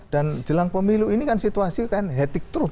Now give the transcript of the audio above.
dan jelang pemilu ini kan situasi kan hektik terus